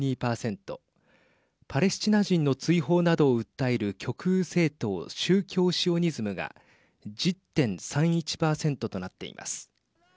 パレスチナ人の追放などを訴える極右政党宗教シオニズムが１０．３１％となっています。